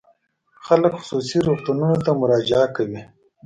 خلک خصوصي روغتونونو ته مراجعه کوي.